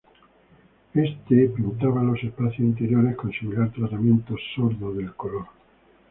Éste pintaba los espacios interiores con similar tratamiento "sordo" del color.